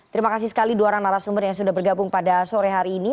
terima kasih sekali dua orang narasumber yang sudah bergabung pada sore hari ini